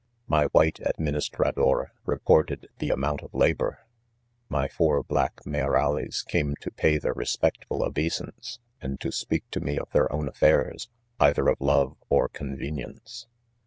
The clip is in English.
My white " administrador" reported the a moimt of labor j my four black " may or ales" came to. pay their respectful obeisance, and to speak to me of their own affairs, either of love or convenience.